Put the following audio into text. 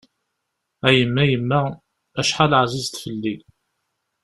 A yemma yemma, acḥal ɛzizeḍ fell-i.